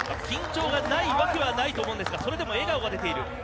緊張がないわけはないと思うんですが笑顔が出ている。